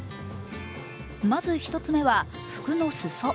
まず１つ目は、服の裾。